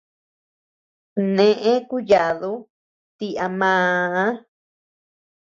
Neʼe kuyadu ti a maa.